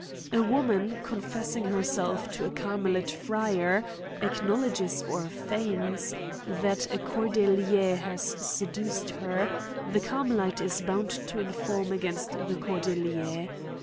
A woman, confessing herself to a carmelite friar, acknowledges or feigns, that a cordelier has seduced her ; the carmelite is bound to inform against the cordelier.